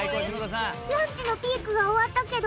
ランチのピークが終わったけど。